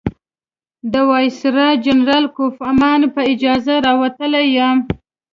د وایسرا جنرال کوفمان په اجازه راوتلی یم.